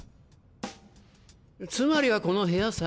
つまりはこの部屋さ。